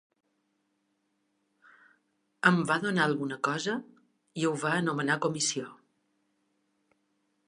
Em va donar alguna cosa i ho va anomenar comissió.